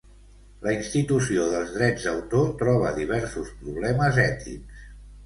La institució dels drets d"autor troba diversos problemes ètics.